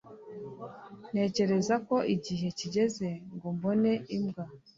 ntekereza ko igihe kigeze ngo mbone imbwa